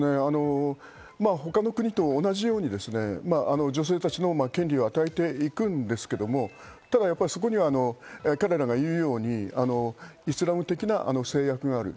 他の国と同じように女性たちの権利を与えていくんですけど、ただそこには彼らが言うように、イスラム的な制約がある。